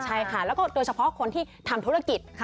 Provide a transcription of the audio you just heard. ใช่ค่ะแล้วก็โดยเฉพาะคนที่ทำธุรกิจ